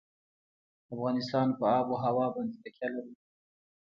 افغانستان په آب وهوا باندې تکیه لري.